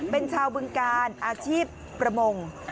เป็นชาวบึงการอาชีพประมง